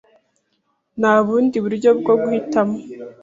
Nta bundi buryo bwo guhitamo.